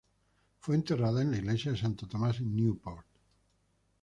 Fue enterrada en la Iglesia de Santo Tomás en Newport.